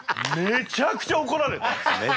めちゃくちゃおこられた。